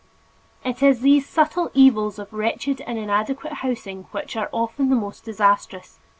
It is these subtle evils of wretched and inadequate housing which are often the most disastrous.